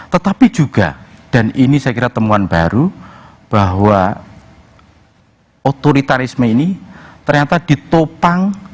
tetapi juga dan ini saya kira temuan baru bahwa otoritarisme ini ternyata ditopang